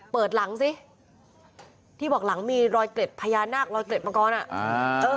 เปิดหลังสิที่บอกหลังมีรอยเกร็ดพญานาครอยเกร็ดมังกรอ่ะอ่า